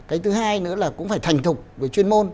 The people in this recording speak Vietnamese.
cái thứ hai nữa là cũng phải thành thục về chuyên môn